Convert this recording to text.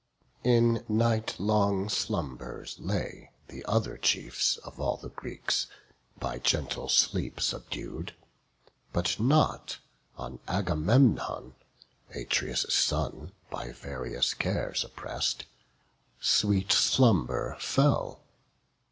BOOK X. In night long slumbers lay the other chiefs Of all the Greeks, by gentle sleep subdued; But not on Agamemnon, Atreus' son, By various cares oppress'd, sweet slumber fell.